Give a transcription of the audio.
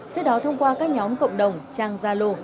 trước đó thông qua các nhóm cộng đồng trang zalo